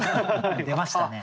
出ましたね。